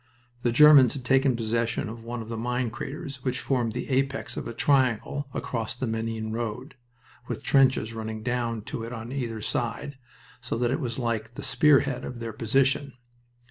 The Germans had taken possession of one of the mine craters which formed the apex of a triangle across the Menin road, with trenches running down to it on either side, so that it was like the spear head of their position.